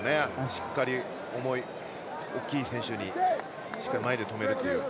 しっかり、重い、大きい選手にしっかり前で止めるという。